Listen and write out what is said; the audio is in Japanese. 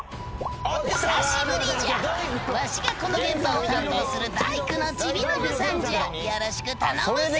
「久しぶりじゃわしがこの現場を担当する」「大工のチビノブさんじゃよろしく頼むぜぇ！」